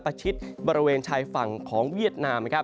ประชิดบริเวณชายฝั่งของเวียดนาม